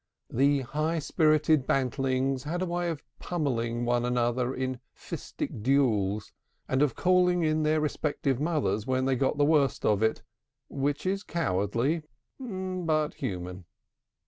The high spirited bantlings had a way of pummelling one another in fistic duels, and of calling in their respective mothers when they got the worse of it which is cowardly, but human.